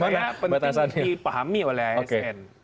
makanya itu yang menurut saya penting dipahami oleh asn